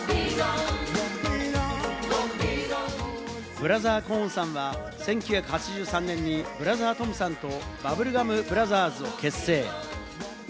ブラザー・コーンさんは１９８３年にブラザートムさんとバブルガム・ブラザーズを結成。